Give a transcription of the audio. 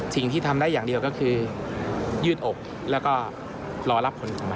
สิ่งที่ทำได้อย่างเดียวก็คือยืดอกแล้วก็รอรับผลของมัน